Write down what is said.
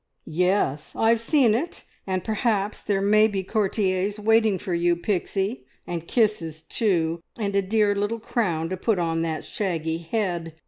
"Yes, I've seen it? and perhaps there may be courtiers waiting for you, Pixie; and kisses too, and a dear little crown to put on that shaggy head!